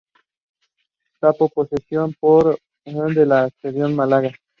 Tomó posesión por procuración del arcedianato de Málaga.